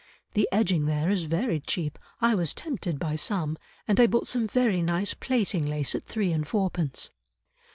The edging there is very cheap. I was tempted by some, and I bought some very nice plaiting lace at three and fourpence."